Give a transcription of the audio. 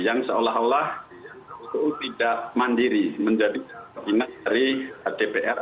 yang seolah olah tidak mandiri menjadi peminat dari dpr